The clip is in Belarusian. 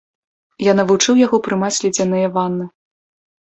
Я навучыў яго прымаць ледзяныя ванны.